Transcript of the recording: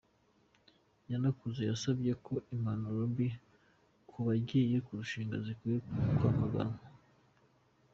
Kanakuze yasabye ko impanuro mbi ku bagiye kurushinga zikwiye kwamaganwa.